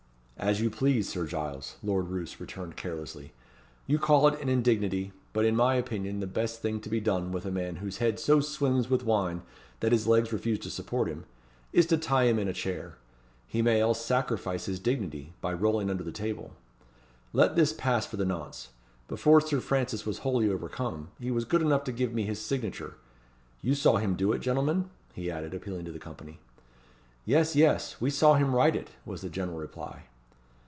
"As you please, Sir Giles," Lord Roos returned carelessly. "You call it an indignity; but in my opinion the best thing to be done with a man whose head so swims with wine that his legs refuse to support him, is to tie him in a chair. He may else sacrifice his dignity by rolling under the table. But let this pass for the nonce. Before Sir Francis was wholly overcome, he was good enough to give me his signature. You saw him do it, gentlemen?" he added, appealing to the company. "Yes yes! we saw him write it!" was the general reply.